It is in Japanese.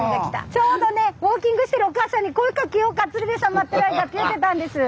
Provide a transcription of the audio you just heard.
ちょうどねウォーキングしてるおかあさんに声かけようか鶴瓶さん待ってる間って言うてたんです。